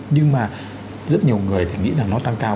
nhưng mà rất nhiều người thì nghĩ là nó tăng cao